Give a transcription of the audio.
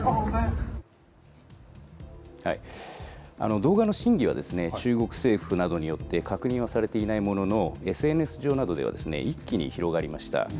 動画の真偽は、中国政府などによって確認はされていないものの、ＳＮＳ上などでは、一気に広がりました。